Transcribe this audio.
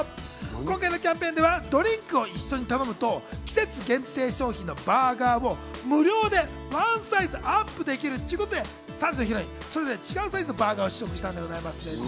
今回のキャンペーンではドリンクを一緒に頼むと季節限定商品のバーガーを無料でワンサイズアップできるっちゅうことで３時のヒロイン、それぞれ違うサイズのバーガーを試食したんです。